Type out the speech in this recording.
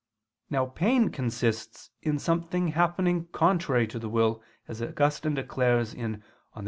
Now pain consists in something happening contrary to the will, as Augustine declares (De Civ.